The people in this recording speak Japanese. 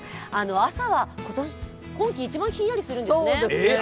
朝は今季一番ひんやりするんですね。